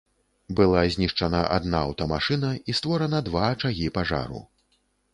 Была знішчана адна аўтамашына і створана два ачагі пажару.